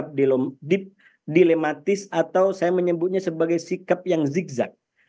sikap dilematis atau saya menyebutnya sebagai sikap yang zigzag